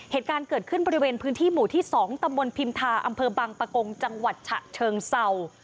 เหตุการณ์เกิดขึ้นบริเวณพื้นที่หมู่ที่๒ตำบลพิมทาอำเภอบังปะกงจังหวัดฉะเชิงเศร้า